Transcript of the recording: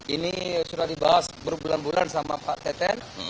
ini sudah dibahas berbulan bulan sama pak teten